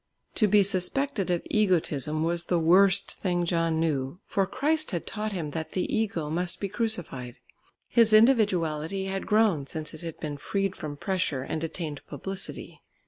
To be suspected of egotism was the worst thing John knew, for Christ had taught him that the "ego" must be crucified. His individuality had grown since it had been freed from pressure and attained publicity.